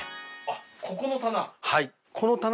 あっここの棚。